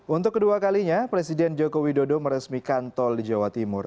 untuk kedua kalinya presiden joko widodo meresmikan tol di jawa timur